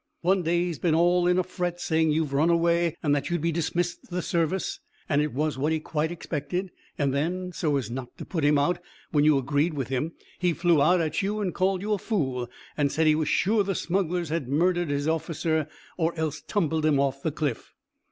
"One day he's been all in a fret, saying you've run away, and that you'd be dismissed the service, and it was what he quite expected; and then, so as not to put him out, when you agreed with him, he flew out at you, and called you a fool, and said he was sure the smugglers had murdered his officer, or else tumbled him off the cliff."